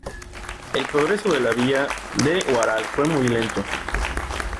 El progreso de la villa de Huaral fue muy lento.